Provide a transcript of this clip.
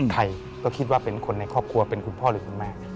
ใครก็คิดว่าเป็นคนในครอบครัวเป็นคุณพ่อหรือคุณแม่